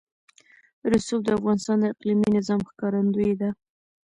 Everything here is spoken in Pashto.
رسوب د افغانستان د اقلیمي نظام ښکارندوی ده.